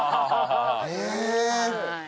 へえ。